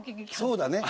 そうだね。